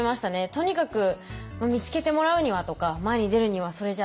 とにかく見つけてもらうにはとか前に出るにはそれじゃ駄目だなと思って。